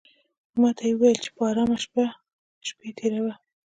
ماته یې وویل چې په آرامه شپې تېروه.